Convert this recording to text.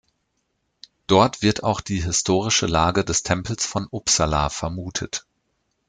Dort wird auch die historische Lage des Tempels von Uppsala vermutet.